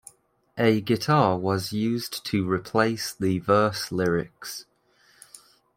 A guitar was used to replace the verse lyrics.